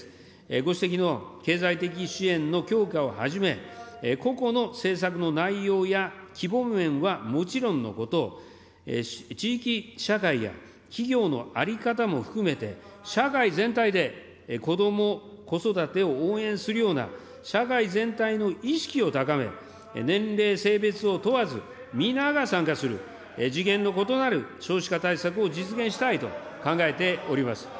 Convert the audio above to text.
ご指摘の経済的支援の強化をはじめ、個々の政策の内容や規模面はもちろんのこと、地域社会や企業の在り方も含めて、社会全体でこども・子育てを応援するような社会全体の意識を高め、年齢、性別を問わず皆が参加する次元の異なる少子化対策を実現したいと考えております。